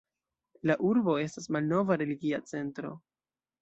La urbo estas malnova religia centro.